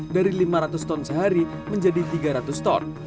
dari lima ratus ton sehari menjadi tiga ratus ton